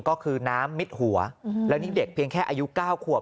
ก็คือน้ำมิดหัวแล้วนี่เด็กเพียงแค่อายุ๙ขวบ